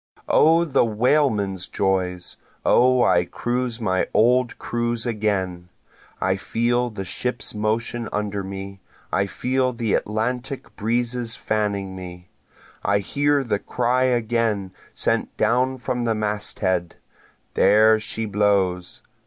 O the whaleman's joys! O I cruise my old cruise again! I feel the ship's motion under me, I feel the Atlantic breezes fanning me, I hear the cry again sent down from the mast head, There she blows!